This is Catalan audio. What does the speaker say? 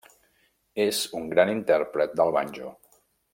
És un gran intèrpret del banjo.